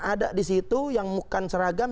ada disitu yang bukan seragam